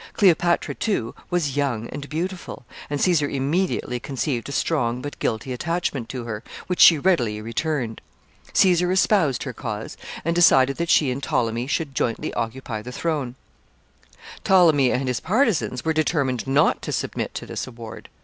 Cleopatra, too, was young and beautiful, and Caesar immediately conceived a strong but guilty attachment to her, which she readily returned. Caesar espoused her cause, and decided that she and Ptolemy should jointly occupy the throne. [Sidenote: Resistance of Ptolemy.] [Sidenote: The Alexandrine war.] Ptolemy and his partisans were determined not to submit to this award.